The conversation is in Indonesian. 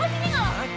akan ku beri segalanya